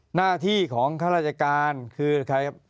หน้าที่ของข้าราชการคือใครครับ